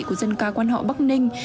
của dân ca quan họ bắc ninh